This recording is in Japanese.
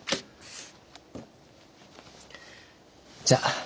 じゃあ。